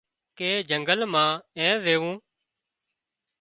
ڪي جنگل مان اين زويوون